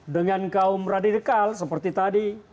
dengan kaum radikal seperti tadi